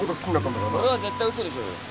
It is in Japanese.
それは絶対嘘でしょうよ。